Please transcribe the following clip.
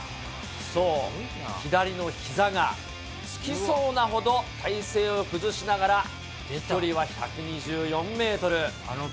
そう、左のひざがつきそうなほど、体勢を崩しながら、飛距離は１２４メートル。